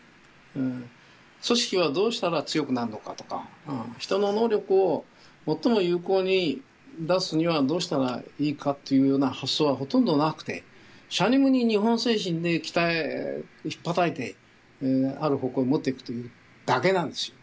組織はどうしたら強くなんのかとか人の能力を最も有効に出すにはどうしたらいいかっていうような発想はほとんどなくてしゃにむに日本精神で鍛えひっぱたいてある方向に持っていくというだけなんですよ。